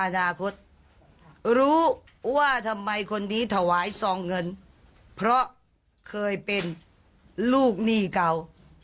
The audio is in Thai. อนาคตรู้ว่าทำไมคนนี้ถวายซองเงินเพราะเคยเป็นลูกหนี้เก่า